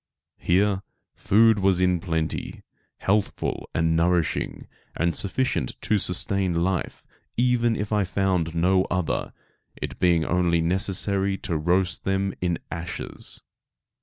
Here food was in plenty, healthful and nourishing, and sufficient to sustain life even if I found no other, it being only necessary to roast them in ashes.